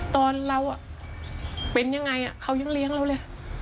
ตอนเราเป็นยังไงเขายังเลี้ยงเราเลย